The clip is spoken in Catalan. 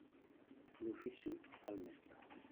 L'ofici fa el mestre.